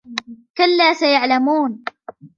كَلَّا سَيَعْلَمُونَ